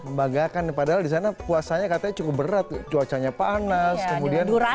membanggakan padahal di sana puasanya katanya cukup berat cuacanya panas kemudian di negeri orang